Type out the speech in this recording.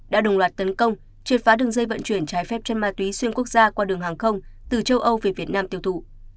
đã đồng loạt tấn công triệt phá đường dây vận chuyển trái phép chân ma túy xuyên quốc gia qua đường hàng không từ châu âu về việt nam tiêu thụ